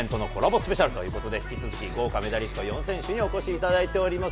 スペシャルということで、豪華メダリスト４選手にお越しいただいています。